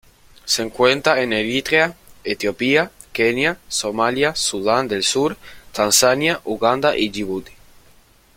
Se encuentra en Eritrea, Etiopía, Kenia, Somalia, Sudán del Sur, Tanzania, Uganda y Yibuti.